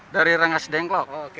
dari rengas dengklok